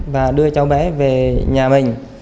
và đưa cháu bé về nhà mình